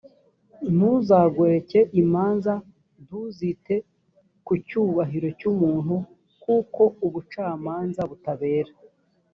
ntuzagoreke imanza, ntuzite ku cyubahiro cy’umuntu kuko ubucamanza butabera,